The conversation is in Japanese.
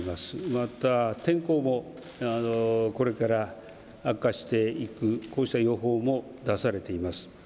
また天候もこれから悪化していくこうした予報も出されています。